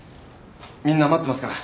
みんな待ってますから。